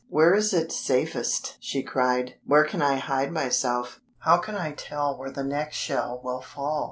"Where is it safest?" she cried. "Where can I hide myself?" "How can I tell where the next shell will fall?"